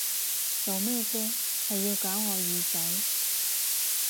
做咩啫，係要搞我耳仔！